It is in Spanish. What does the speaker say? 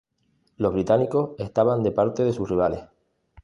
Los británicos estaban de parte de sus rivales.